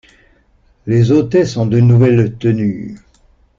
Les hôtesses ont de nouvelles tenues.